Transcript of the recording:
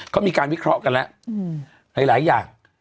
เขามีการวิเคราะห์กันแล้วหลายอย่าง